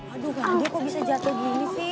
aduh ganda kok bisa jatuh gini sih